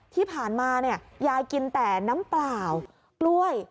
ที่ผ่านมาเนี่ยยายกินแต่น้ำเปล่ากล้วย